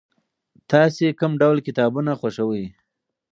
تاسې کوم ډول کتابونه خوښوئ؟